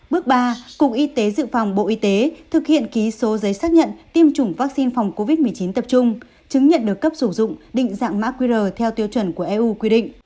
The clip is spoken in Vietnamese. bước ba cục y tế dự phòng bộ y tế thực hiện ký số giấy xác nhận tiêm chủng vaccine phòng covid một mươi chín tập trung chứng nhận được cấp sử dụng định dạng mã qr theo tiêu chuẩn của eu quy định